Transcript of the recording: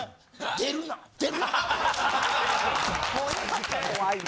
「出るな！